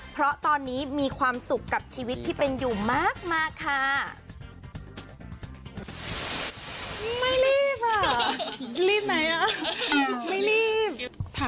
เพราะตอนนี้มีความสุขกับชีวิตที่เป็นอยู่มากค่ะ